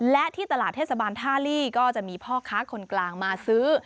และที่ตลาดเทศบาลท่าลี่ก็จะมีพ่อค้าคนกลางมาซื้อ